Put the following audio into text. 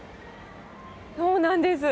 そうなんです。